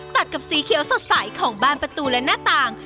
ตัดกับสีเขียวสดใสของบ้านประตูและหน้าต่าง